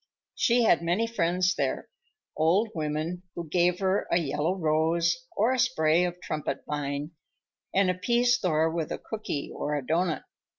She had many friends there, old women who gave her a yellow rose or a spray of trumpet vine and appeased Thor with a cooky or a doughnut.